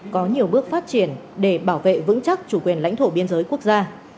có nhiều bước phát triển để bảo vệ vững chắc chủ quyền lãnh thổ biên giới quốc gia